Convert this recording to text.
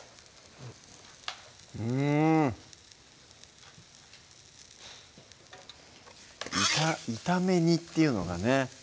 うん炒め煮っていうのがね